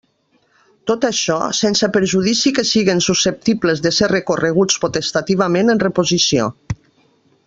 Tot això, sense perjudici que siguen susceptibles de ser recorreguts potestativament en reposició.